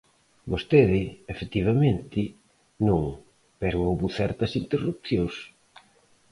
Vostede, efectivamente, non, pero houbo certas interrupcións.